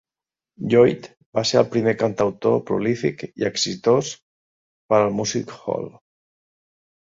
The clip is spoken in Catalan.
Lloyd va ser el primer cantautor prolífic i exitós per al music hall.